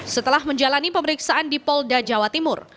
setelah menjalani pemeriksaan di polda jawa timur